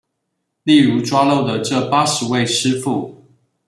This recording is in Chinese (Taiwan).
例如抓漏的這八十位師傅